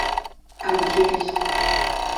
Aber natürlich.